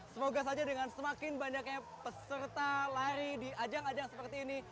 semoga saja dengan semakin banyaknya peserta lari di ajang ajang seperti ini